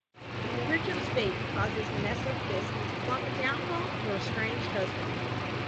Richard's fate causes Vanessa Fisk to plot the downfall of her estranged husband.